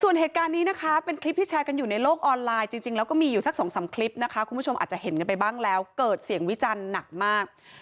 ส่วนเหตุการณ์นี้นะคะเป็นคลิปที่แชร์กันอยู่ในโลกออนไลน์จริงแล้วก็มีอยู่สักสองสามคลิปนะคะคุณผู้ชมอาจจะเห็นกันไปบ้างแล้วเกิดเสียงวิจันทร์หนักมาก